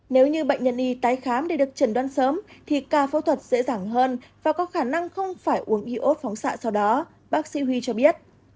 nếu như bệnh nhân y tái khám để được chẩn đoán sớm thì ca phẫu thuật dễ dàng hơn và có khả năng không phải uống iốt phóng xạ sau đó bác sĩ huy cho biết